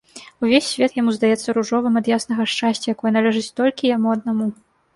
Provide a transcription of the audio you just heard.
Увесь свет яму здаецца ружовым ад яснага шчасця, якое належыць толькі яму аднаму.